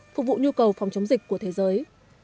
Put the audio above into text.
phục vụ nhu cầu phòng chống dịch của thế giới